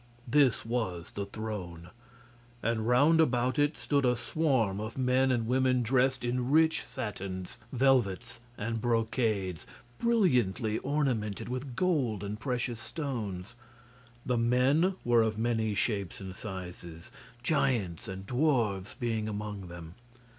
This was the throne, and round about it stood a swarm of men and women dressed in rich satins, velvets and brocades, brilliantly ornamented with gold and precious stones. The men were of many shapes and sizes giants and dwarfs being among them.